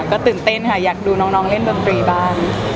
ก็ตื่นเต้นค่ะอยากดูน้องเล่นดนตรีบ้าง